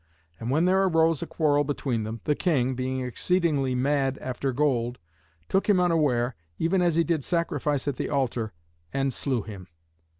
And when there arose a quarrel between them, the king, being exceedingly mad after gold, took him unaware, even as he did sacrifice at the altar, and slew him.